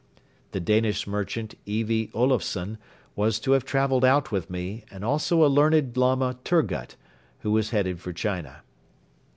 The Danish merchant E. V. Olufsen was to have traveled out with me and also a learned Lama Turgut, who was headed for China.